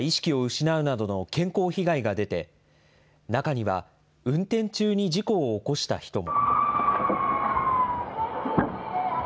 ２４５人が意識を失うなどの健康被害が出て、中には、運転中に事故を起こした人も。